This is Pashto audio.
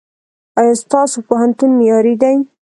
ایا ستاسو پوهنتون معیاري دی؟